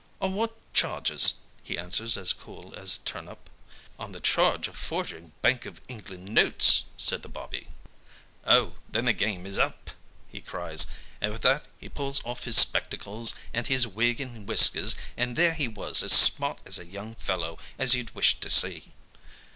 "'On what charge?' he answers as cool as a turnip. "'On the charge of forging Bank of England notes,' says the 'bobby'. "'Oh, then the game is up!' he cries, and with that he pulls off his spectacles, and his wig and whiskers, and there he was, as smart a young fellow as you'd wish to see.